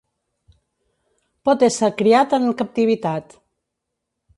Pot ésser criat en captivitat.